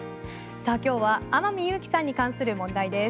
さあ今日は天海祐希さんに関する問題です。